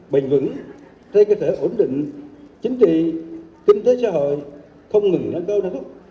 bình vững thay cơ thể ổn định chính trị kinh tế xã hội không ngừng nâng cao năng lực